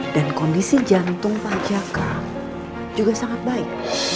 dan kondisi jantung pak jakart juga sangat baik